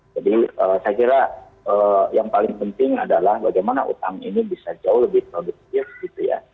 jadi saya kira yang paling penting adalah bagaimana utang ini bisa jauh lebih produktif gitu ya